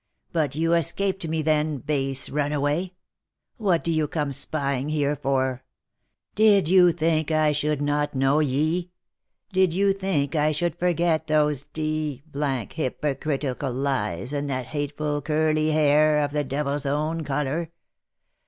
But you escaped me then, base runaway ! What do you come spying here for ? Did you think I should not know ye ? Did you think I should forget those d — d hypocritical eyes, and that hateful curly hair, of thedevil's own colour